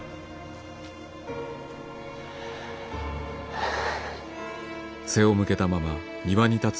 はあ。